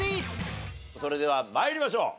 それでは参りましょう。